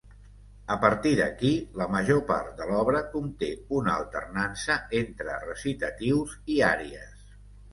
A partir d'aquí, la major part de l'obra conté una alternança entre recitatius i àries.